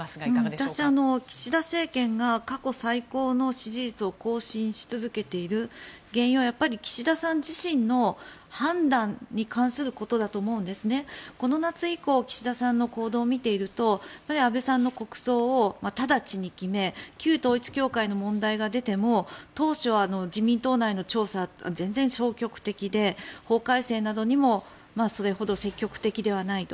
私は岸田政権が過去最高の支持率を更新し続けている原因はやっぱり岸田さん自身の判断に関することだと思うんですこの夏以降岸田さんの行動を見ていると安倍さんの国葬を直ちに決め旧統一教会の問題が出ても当初は自民党内の調査全然消極的で法改正などにもそれほど積極的ではないと。